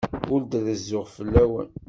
Ur d-rezzuɣ fell-awen.